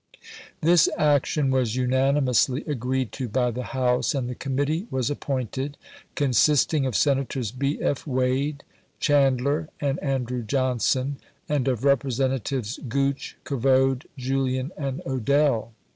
This action was unanimously agreed to by the House, and the committee was appointed, consisting of Senators B. F. Wade, Chandler, and Andrew Johnson, and of Representa tives Gooch, Covode, Julian, and Odell.